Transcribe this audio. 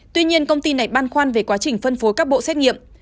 tuy nhiên công ty này ban khoan về quá trình phân phối các bộ xét nghiệm